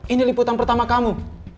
ini liputan pertama kamu